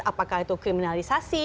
apakah itu kriminalisasi